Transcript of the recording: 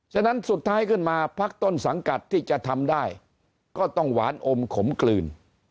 ฉะนั้นสุดท้ายขึ้นมาพักต้นสังกัดที่จะทำได้ก็ต้องหวานอมขมกลืน